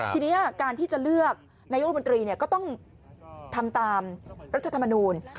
ทีนี้การที่จะเลือกนายกรมนตรีก็ต้องทำตามรัฐธรรมนูล